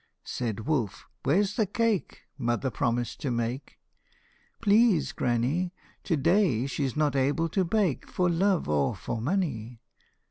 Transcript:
Said wolf, " Where 's the cake Mother promised to make r "" Please, granny, to day she 's not able to bake, For love or for money."